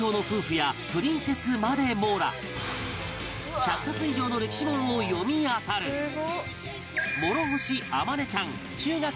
１００冊以上の歴史本を読みあさる諸星天音ちゃん中学２年生